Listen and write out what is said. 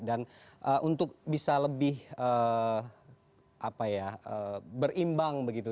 dan untuk bisa lebih berimbang begitu